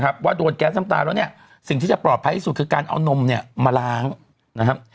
ว่าโดนแก๊สน้ำตาแล้วเนี่ยสิ่งที่จะปลอดภัยที่สุดคือการเอานมเนี่ยมาล้างนะครับ